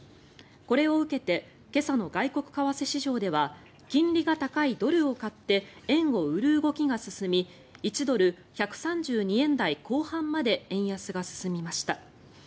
これを受けて今朝の外国為替市場では金利が高いドルを買って円を売る動きが進み１ドル＝１３２円台後半まで円安が進みました。